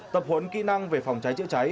tập huấn kỹ năng về phòng cháy chữa cháy